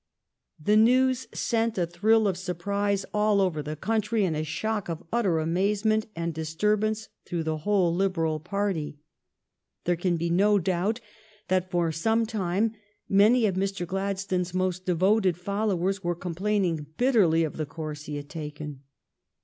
The news sent a thrill of surprise all over the country, and a shock of utter amazement and dis turbance through the whole Liberal party. There can be no doubt that for some time many of Mr. Gladstone's most devoted followers were complain ing bitterly of the course he had taken.